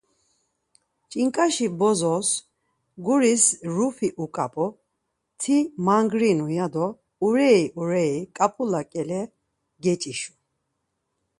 Ç̌inǩaşi bozos guris rufi uǩap̌u Ti mangrinu ya do urer ureri ǩap̌ula ǩele geç̌işu.